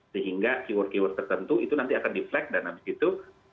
sehingga keyword keyword tertentu itu nanti akan di flag dan habis itu